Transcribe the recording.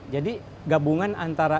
jadi gabungan antara